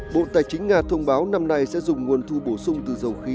bộ tài chính nga thông báo năm nay sẽ dùng nguồn thu bổ sung từ dầu khí